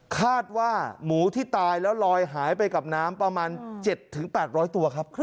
คาดว่าหมูที่ตายแล้วลอยหายไปกับน้ำประมาณ๗๘๐๐ตัวครับ